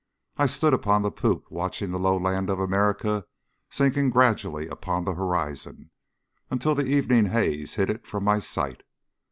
I stood upon the poop watching the low land of America sinking gradually upon the horizon until the evening haze hid it from my sight.